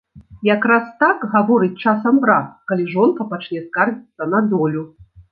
Якраз так гаворыць часам брат, калі жонка пачне скардзіцца на долю.